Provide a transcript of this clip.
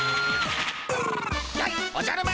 やいおじゃる丸。